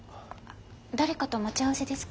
誰かと待ち合わせですか？